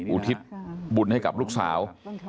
อุทิศบุญให้กับลูกสาว